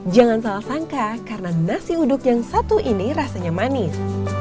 jangan salah sangka karena nasi uduk yang satu ini rasanya manis